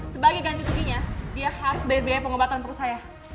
sebagai ganti sukinya dia harus bayar biaya pengobatan perut saya